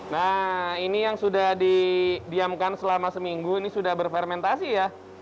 nah ini yang sudah didiamkan selama seminggu ini sudah berfermentasi ya